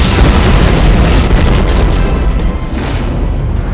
sehingga aku bisa mengeluarkan ajian gajah meta